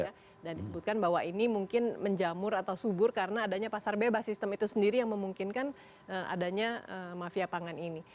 disebutkan bahwa ini mungkin menjamur atau subur karena adanya pasar bebas sistem itu sendiri yang memungkinkan adanya mafia pangan ini